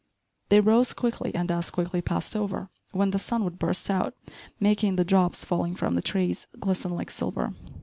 They rose quickly and as quickly passed over, when the sun would burst out, making the drops falling from the trees glisten like silver.